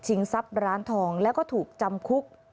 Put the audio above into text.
ทรัพย์ร้านทองแล้วก็ถูกจำคุก